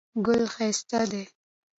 ګل ښایسته دی.